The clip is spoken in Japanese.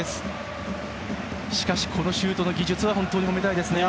しかしこのシュートの技術褒めたいですね。